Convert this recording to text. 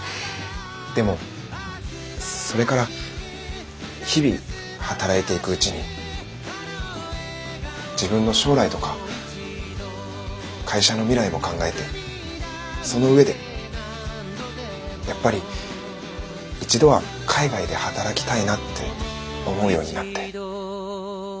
でもそれから日々働いていくうちに自分の将来とか会社の未来も考えてその上でやっぱり一度は海外で働きたいなって思うようになって。